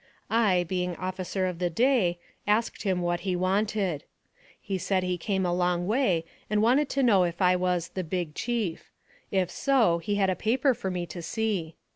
I, being officer of the day, asked him what he wanted. He said he came a long way, and wanted to know if I was the " big chief," if so, he had a paper for me to see.